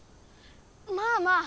まあまあ。